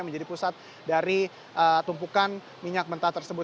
menjadi pusat dari tumpukan minyak mentah tersebut